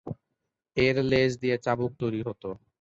এর লেজ দিয়ে চাবুক তৈরি হত।